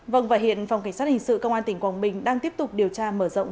vâng và hiện phòng cảnh sát hình sự công an tỉnh quảng bình đang tiếp tục điều tra mở rộng